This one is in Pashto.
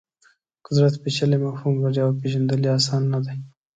قدرت پېچلی مفهوم لري او پېژندل یې اسان نه دي.